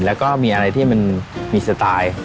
แล้วก็มีอะไรที่มันมีสไตล์